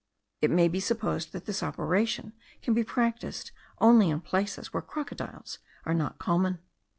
It may be supposed that this operation can be practised only in places where crocodiles are not common.